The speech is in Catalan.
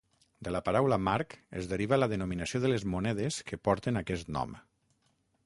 De la paraula marc és deriva la denominació de les monedes que porten aquest nom.